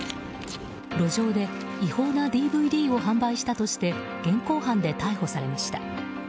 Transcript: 路上で違法なＤＶＤを販売したとして現行犯で逮捕されました。